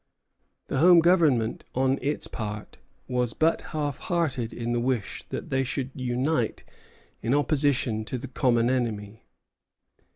The Home Government, on its part, was but half hearted in the wish that they should unite in opposition to the common enemy.